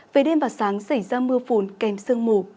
về đêm và sáng xảy ra mưa phùn kèm sương mù